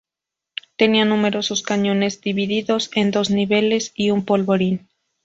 Tenía numerosos cañones divididos en dos niveles y un polvorín.